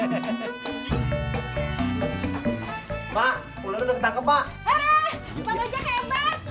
harah pak sojak hebat